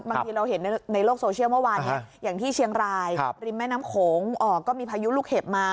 บางทีเราเห็นในโลกโซเชียลเมื่อวานอย่างที่เชียงรายริมแม่น้ำโขงก็มีพายุลูกเห็บมา